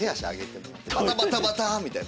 バタバタバタみたいな。